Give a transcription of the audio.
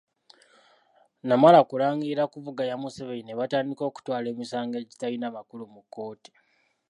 Namala kulangirira kuvuganya Museveni ne batandika okutwala emisango egitalina makulu mu kkooti.